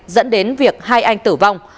dẫn đến việc hai anh tử vong